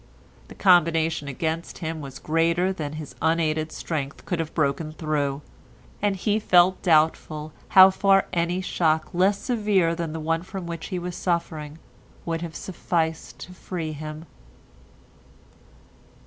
The combination against him was greater than his unaided strength could have broken through, and he felt doubtful how far any shock less severe than the one from which he was suffering would have sufficed to free him.